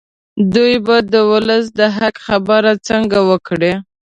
دوی به د ولس د حق خبره څنګه وکړي.